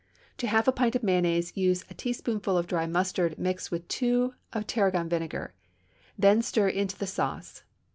To half a pint of mayonnaise use a teaspoonful of dry mustard mixed with two of tarragon vinegar, then stir into the sauce.